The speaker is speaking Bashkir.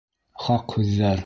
Хаҡ һүҙҙәр.